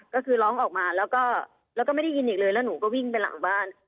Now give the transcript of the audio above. ก็คือร้องออกมาแล้วก็ไม่ได้ยินอีกเลยแล้วหนูก็วิ่งไปหลังบ้าน